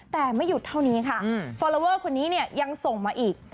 แต่ไม่หยุดเท่านี้ค่ะฟอลลอเวอร์คนนี้เนี่ยยังส่งมาอีก